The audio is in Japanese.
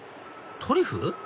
トリュフ？